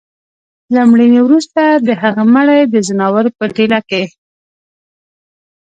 له مړيني وروسته د هغه مړى د ځناورو په ټېله کي